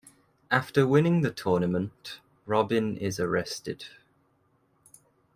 After winning the tournament, Robin is arrested.